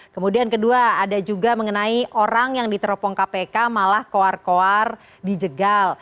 kemudian kedua ada juga mengenai orang yang diteropong kpk malah koar koar dijegal